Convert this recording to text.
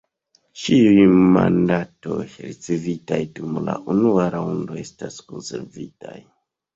Ĉiuj mandatoj ricevitaj dum la unua raŭndo estas konservitaj.